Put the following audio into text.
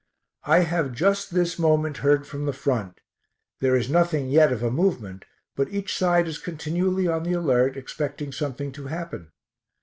I have just this moment heard from the front there is nothing yet of a movement, but each side is continually on the alert, expecting something to happen.